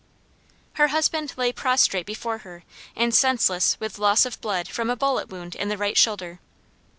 Her husband lay prostrate before her and senseless with loss of blood from a bullet wound in the right shoulder.